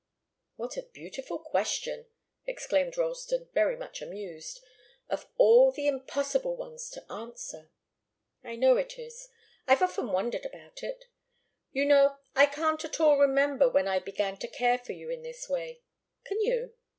"What a beautiful question!" exclaimed Ralston, very much amused. "Of all the impossible ones to answer!" "I know it is. I've often wondered about it. You know, I can't at all remember when I began to care for you in this way. Can you?